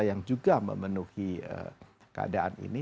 yang juga memenuhi keadaan ini